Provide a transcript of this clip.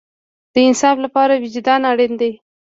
د انصاف لپاره وجدان اړین دی